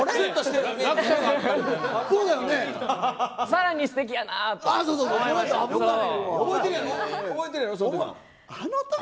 さらにすてきやなあと。